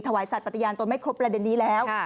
ถวายสัตว์ปฏิญาณตนไม่ครบประเด็นนี้แล้ว